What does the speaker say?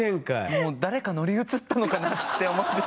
もう誰か乗り移ったのかなって思って。